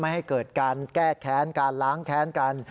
ให้เกิดการแก้แค้นการล้างแค้นกัน